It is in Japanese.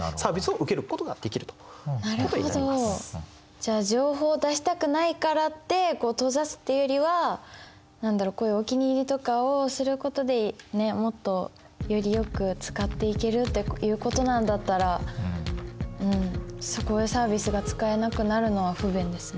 じゃあ情報を出したくないからって閉ざすっていうよりはこういうお気に入りとかを知ることでもっとよりよく使っていけるということなんだったらそこでサービスが使えなくなるのは不便ですね。